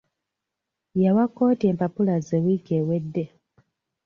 Yawa kkooti empapula ze wiiki ewedde.